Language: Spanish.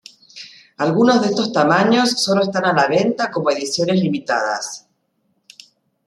Algunos de estos tamaños solo están a la venta como ediciones limitadas.